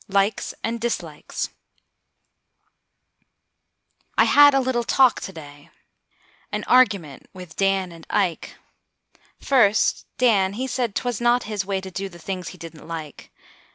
Likes and Dislikes I had a little talk today An argument with Dan and Ike: First Dan, he said 'twas not his way To do the things he didn't like.